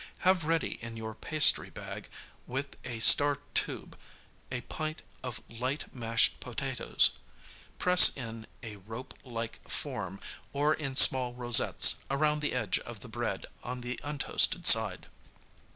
Have ready in your pastry bag with a star tube a pint of light mashed potatoes; press in a rope like form, or in small rosettes, around the edge of the bread on the untoasted side.